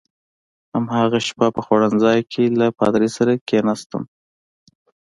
هماغه شپه په خوړنځای کې له پادري سره کېناستم.